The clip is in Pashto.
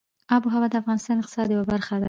آب وهوا د افغانستان د اقتصاد یوه برخه ده.